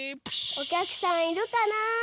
おきゃくさんいるかなあ？